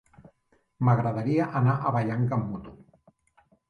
M'agradaria anar a Vallanca amb moto.